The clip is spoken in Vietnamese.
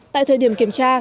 tại thời điểm kiểm tra